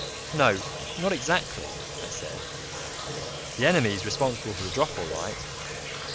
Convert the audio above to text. "No, not exactly," I said. "The enemy's responsible for the drop, all right.